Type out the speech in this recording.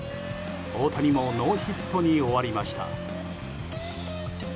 大谷もノーヒットに終わりました。